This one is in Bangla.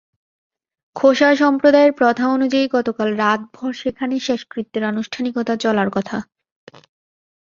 খোসা সম্প্রদায়ের প্রথা অনুযায়ী গতকাল রাতভর সেখানে শেষকৃত্যের আনুষ্ঠানিকতা চলার কথা।